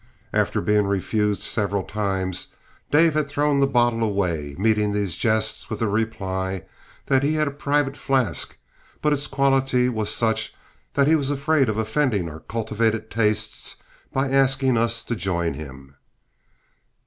After being refused several times, Dave had thrown the bottle away, meeting these jests with the reply that he had a private flask, but its quality was such that he was afraid of offending our cultivated tastes by asking us to join him.